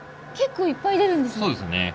結構いっぱい出るんですね。